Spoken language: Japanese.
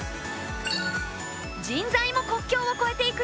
人材も国境をこえていくよ。